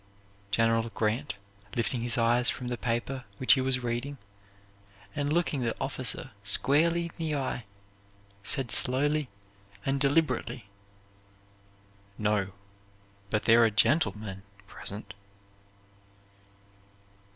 General Grant, lifting his eyes from the paper which he was reading, and looking the officer squarely in the eye, said slowly and deliberately: "No, but there are gentlemen present."